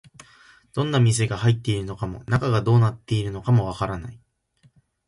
どんな店が入っているのかも、中がどうなっているのかもわからない